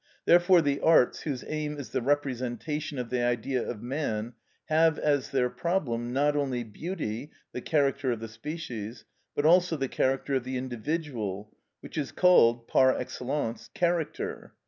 Therefore the arts whose aim is the representation of the Idea of man, have as their problem, not only beauty, the character of the species, but also the character of the individual, which is called, par excellence, character.